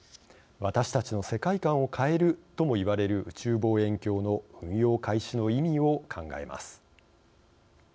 私たちの世界観を変えるともいわれる宇宙望遠鏡の運用開始の意味を考えます。